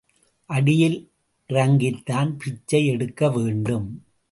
அடியில் இறங்கித்தான் பிச்சை எடுக்க வேண்டும்.